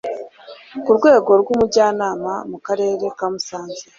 ku rwego rw'umujyanama mu Karere ka Musanze,